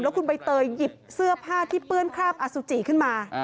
คุณใบเตยหยิบเสื้อผ้าที่เปื้อนคราบอสุจิขึ้นมา